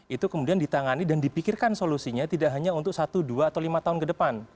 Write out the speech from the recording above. itu kemudian ditangani dan dipikirkan solusinya tidak hanya untuk satu dua atau lima tahun ke depan